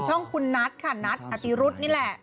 ช่องคุณนัทค่ะนัทอตรีรุ๊ตนี่แหละ